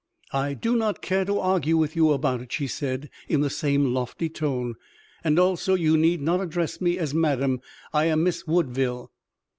"I do not care to argue with you about it," she said in the same lofty tone, "and also you need not address me as madame. I am Miss Woodville."